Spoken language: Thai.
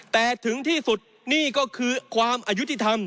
แต่ถึงที่สุดนี่ก็คือความอายุติธรรม